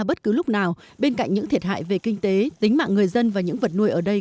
bất cứ lúc nào bên cạnh những thiệt hại về kinh tế tính mạng người dân và những vật nuôi ở đây